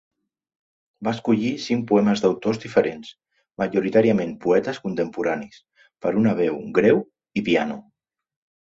Va escollir cinc poemes d'autors diferents, majoritàriament poetes contemporanis, per una veu greu i piano.